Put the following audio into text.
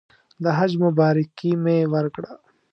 د حج مبارکي مې ورکړه.